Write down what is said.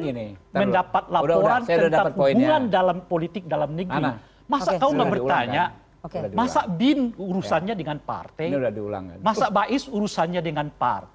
gini mendapat laporan serta poinnya dalam politik dalam dengan masa kamu mau bertanya ok terdapat urusan